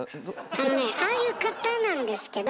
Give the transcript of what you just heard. あのねああいう方なんですけど